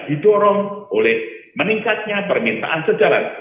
didorong oleh meningkatnya permintaan sejalan